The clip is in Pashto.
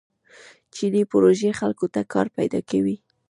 چیني پروژې خلکو ته کار پیدا کوي.